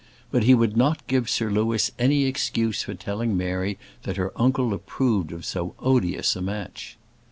But he would not give Sir Louis any excuse for telling Mary that her uncle approved of so odious a match.